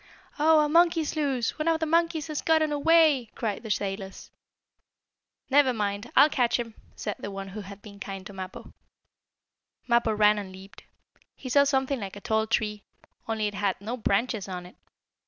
"Oh, a monkey's loose! One of the monkeys has gotten away!" cried the sailors. "Never mind! I'll catch him!" said the one who had been kind to Mappo. Mappo ran and leaped. He saw something like a tall tree, only it had no branches on it.